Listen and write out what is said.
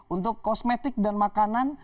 untuk kosmetik dan makanan